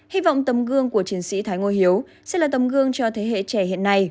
hy vọng tấm gương của chiến sĩ thái ngô hiếu sẽ là tấm gương cho thế hệ trẻ hiện nay